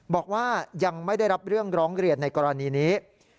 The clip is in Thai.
บอกว่ายังไม่ได้รับเรื่องร้องเรียนในกรณีนี้